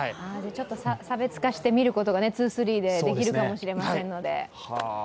ちょっと差別化して見ることができるかもしれませんので。